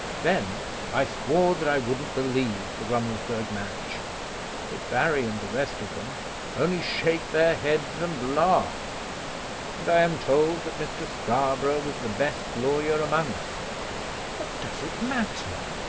Then I swore that I wouldn't believe the Rummelsburg marriage. But Barry and the rest of them only shake their heads and laugh, and I am told that Mr. Scarborough was the best lawyer among us!" "What does it matter?